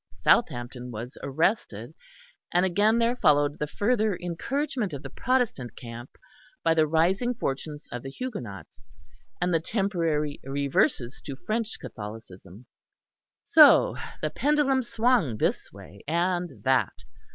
Southampton was arrested, and again there followed the further encouragement of the Protestant camp by the rising fortunes of the Huguenots and the temporary reverses to French Catholicism; so the pendulum swung this way and that.